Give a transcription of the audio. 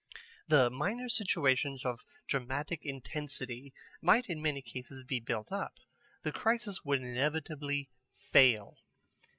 The minor situations of dramatic intensity might in many cases be built up. The crisis would inevitably fail.